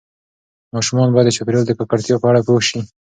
ماشومان باید د چاپیریال د ککړتیا په اړه پوه شي.